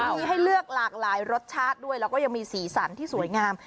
มีให้เลือกหลากหลายรสชาติด้วยแล้วก็ยังมีสีสันที่สวยงาม